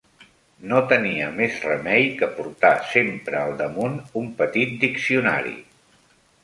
No tenia més remei que portar sempre al damunt un petit diccionari